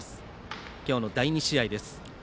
今日の第２試合です。